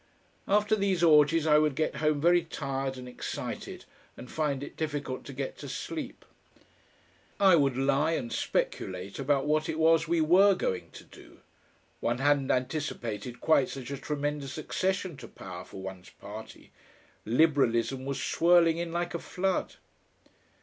After these orgies I would get home very tired and excited, and find it difficult to get to sleep. I would lie and speculate about what it was we WERE going to do. One hadn't anticipated quite such a tremendous accession to power for one's party. Liberalism was swirling in like a flood....